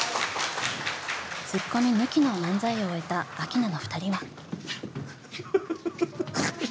ツッコミ抜きの漫才を終えたアキナの２人は？